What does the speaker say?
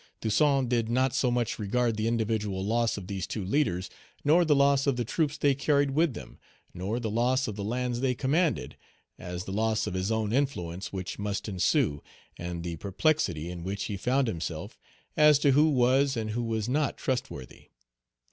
Toussaint did not so much regard the individual loss of these two leaders, nor the loss of the troops they carried with them, nor the loss of the lands they commanded, as the loss of his own influence which must ensue, and the perplexity in which he found himself as to who was and who was not trustworthy.